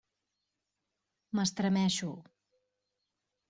M'estremeixo.